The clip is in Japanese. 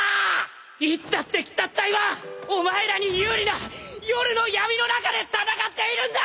いつだって鬼殺隊はお前らに有利な夜の闇の中で戦っているんだ！